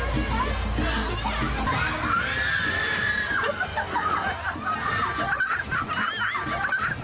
พี่ผลบอกว่า